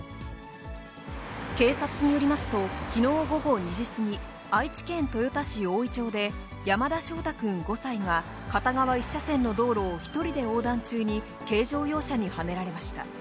警察によりますと、きのう午後２時過ぎ、愛知県豊田市大井町で山田将大くん５歳が、片側１車線の道路を１人で横断中に、軽乗用車にはねられました。